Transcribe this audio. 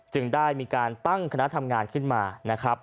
จึงได้มีการตั้งคณะทำงานขึ้นมา